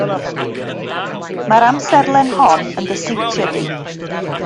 Mae'r amserlen hon yn dy siwtio di